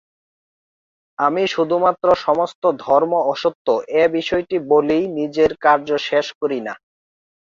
আমি শুধুমাত্র সমস্ত ধর্ম অসত্য এ বিষয়টি বলেই নিজের কার্য শেষ করি না।